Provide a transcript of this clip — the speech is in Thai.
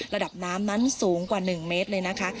ระดับน้ำนั้นสูงกว่า๑เมตรเลยนะคะ